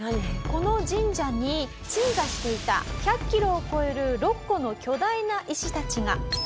この神社に鎮座していた１００キロを超える６個の巨大な石たちが。